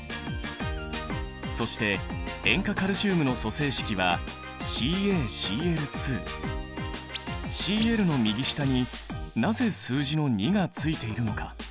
そして塩化カルシウムの組成式は「Ｃｌ」の右下になぜ数字の２がついているのか？